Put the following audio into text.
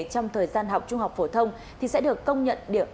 trong thời gian học trung học phổ thông quốc gia